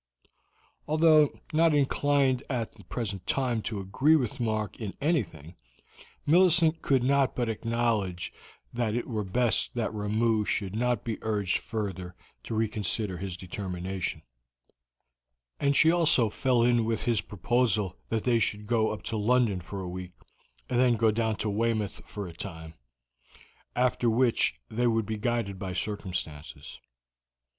Although not inclined at the present time to agree with Mark in anything, Millicent could not but acknowledge that it were best that Ramoo should not be urged further to reconsider his determination, and she also fell in with his proposal that they should go up to London for a week, and then go down to Weymouth for a time, after which they would be guided by circumstances.